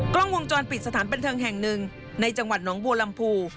กล้องวงจรปิดสถานบันเทิงแห่งหนึ่งในจังหวัดน้องบัวลำพู